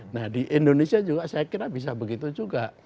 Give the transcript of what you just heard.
nah di indonesia juga saya kira bisa begitu juga